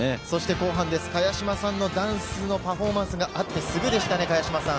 後半、茅島さんのダンスのパフォーマンスがあってすぐでしたね。